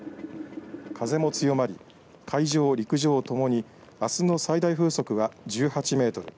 風も強まり海上、陸上ともにあすの最大風速は１８メートル、